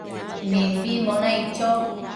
Mimbimbo naic cho